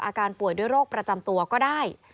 อาการป่วยด้วยโรคประจำตัวก็ได้